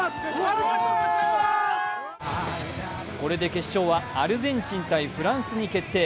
これで決勝はアルゼンチン×フランスに決定。